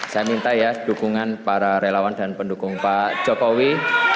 saya minta ya dukungan para relawan dan pendukung pak jokowi